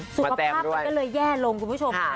สุขภาพมันก็เลยแย่ลงคุณผู้ชม